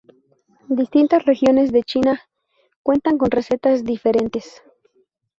Distintas regiones de China cuentan con recetas diferentes.